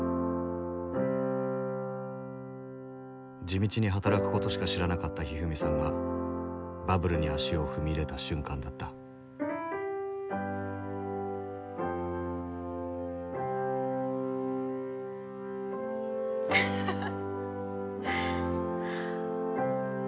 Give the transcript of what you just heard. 地道に働くことしか知らなかったひふみさんがバブルに足を踏み入れた瞬間だったウフフフ。